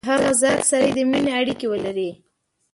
له هغه ذات سره د مینې اړیکي ولري.